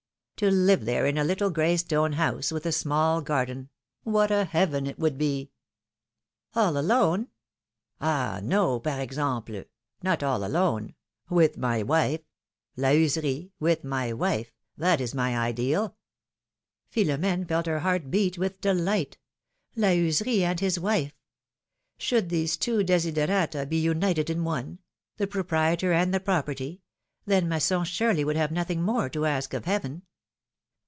^^To live there in a little gray stone house, with a small garden — what a heaven it would be! —" ^^All alone ?" ^^Ah ! no, par example ! not all alone ! With my wife ! La Heuserie, with my wife — that is my ideal !" Philomene felt her heart beat with delight — La Heu serie and his wife ! Should these two desiderata be united in one — the proprietor and the property — then Masson surely would have nothing more to ask of Heaven